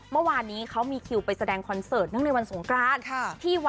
เมื่อวานนี้เขามีคิวไปแสดงซองคราช